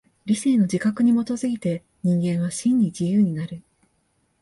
理性の自覚に基づいて人間は真に自由になる。